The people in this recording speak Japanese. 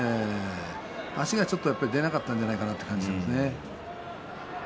足がちょっと出なかったのではないかという感じです。